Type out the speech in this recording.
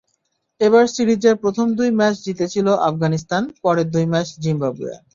এবার সিরিজের প্রথম দুই ম্যাচ জিতেছিল আফগানিস্তান, পরের দুই ম্যাচ জিম্বাবুয়ে।